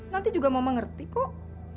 nanti juga mama ngerti kok